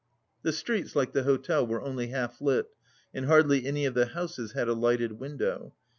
The streets, like the hotel, were only half lit, and hardly any of the houses had a lighted window.